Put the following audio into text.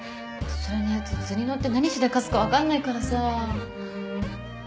それにあいつ図に乗って何しでかすかわかんないからさ。